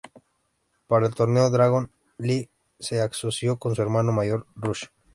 Para el torneo, Dragon Lee se asoció con su hermano mayor Rush.